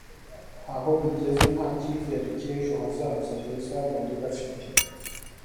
aho bigeze nta cyizere cy’ejo hazaza heza bari bafite